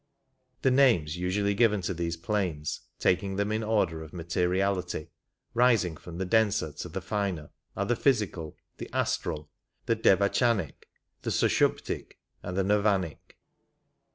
The names usually given to these planes, taking them in order of materiality, rising from the denser to the finer, are the physical, the astral, the devachanic, the sushuptic, and the nirvanic.